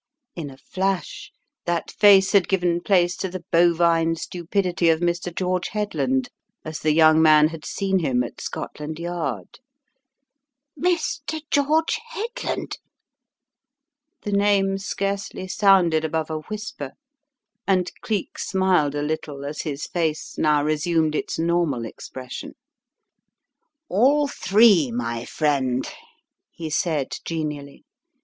In a flash, that face had given place to the bovine stupidity of Mr. George Headland, as the young man had seen him at Scotland Yard. "Mr. George Headland!" The name scarcely sounded above a whisper and Cleek smiled a little as his face now resumed its normal expression. "All three, my friend," he said, genially.